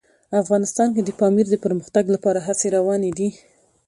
افغانستان کې د پامیر د پرمختګ لپاره هڅې روانې دي.